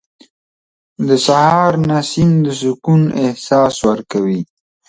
• د سهار نسیم د سکون احساس ورکوي.